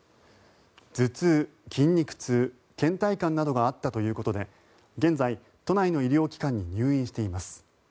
頭痛、筋肉痛、けん怠感などがあったということで現在、都内の医療機関に入院しています。